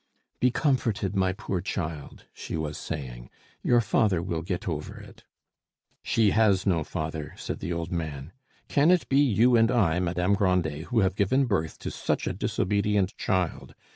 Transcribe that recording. "Be comforted, my poor child," she was saying; "your father will get over it." "She has no father!" said the old man. "Can it be you and I, Madame Grandet, who have given birth to such a disobedient child?